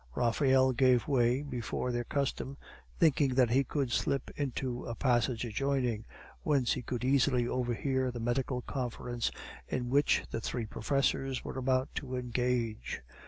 Raphael gave way before their custom, thinking that he could slip into a passage adjoining, whence he could easily overhear the medical conference in which the three professors were about to engage.